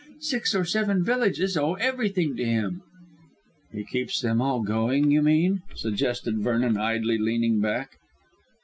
Six or seven villages owe everything to him." "He keeps them all going, you mean?" suggested Vernon, idly leaning back.